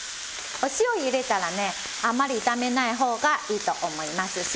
お塩入れたらねあんまり炒めない方がいいと思います。